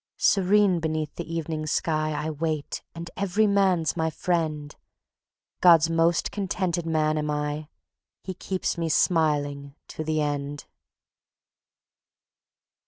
Serene beneath the evening sky I wait, and every man's my friend; God's most contented man am I ... He keeps me smiling to the End."